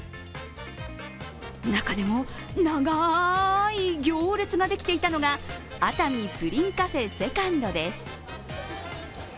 中でも長い行列ができていたのが熱海プリンカフェ２ｎｄです。